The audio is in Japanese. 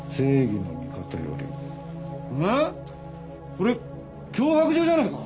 これ脅迫状じゃねえか？